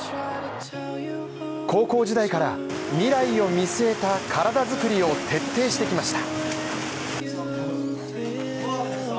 高校時代から未来を見据えた体作りを徹底してきました。